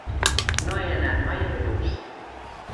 No he anat mai a Bellús.